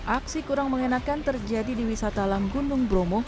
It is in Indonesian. aksi kurang mengenakan terjadi di wisata alam gunung bromo